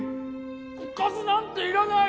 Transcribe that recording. おかずなんていらない